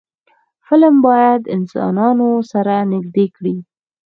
فلم باید انسانان سره نږدې کړي